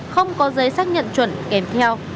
không có giấy xác nhận chuẩn kèm theo